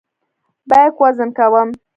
بیک وزن کوم.